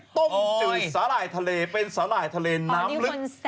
ต้มจืดสาหร่ายทะเลเป็นสาหร่ายทะเลน้ำลึก